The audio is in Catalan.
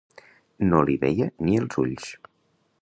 No li veia ni els ulls.